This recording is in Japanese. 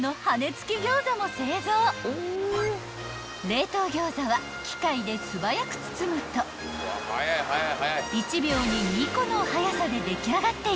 ［冷凍餃子は機械で素早く包むと１秒に２個のはやさで出来上がっていきます］